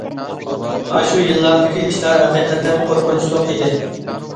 ئاشۇ يىللاردىكى ئىشلار ھەقىقەتەن قورقۇنچلۇق ئىدى.